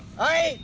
はい！